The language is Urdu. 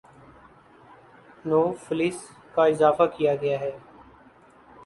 نو فلس کا اضافہ کیا گیا ہے